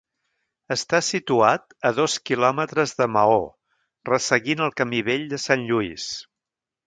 Està situat a dos quilòmetres de Maó, resseguint el camí vell de Sant Lluís.